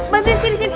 bantuin sini sini